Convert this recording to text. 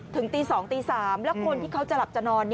ถึงตี๒ตี๓แล้วคนที่เขาจะหลับจะนอน